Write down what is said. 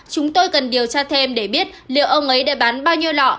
chúng tôi cần điều tra thêm để biết liệu ông ấy để bán bao nhiêu lọ